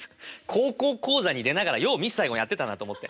「高校講座」に出ながらよう「ミスサイゴン」やってたなと思って。